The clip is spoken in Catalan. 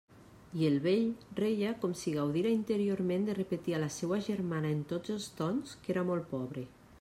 I el vell reia com si gaudira interiorment de repetir a la seua germana en tots els tons que era molt pobre.